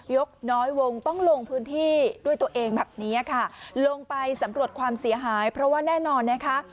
ยกน้อยวงต้องลงพื้นที่ด้วยตัวเองแบบเนี้ยค่ะลงไปสำรวจความเสียหายเพราะว่าแน่นอนนะคะ